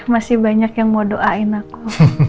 masih banyak yang mau doain aku